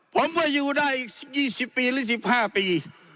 ผมว่าอยู่ได้อีก๒๐ปีหรือ๑๕ปี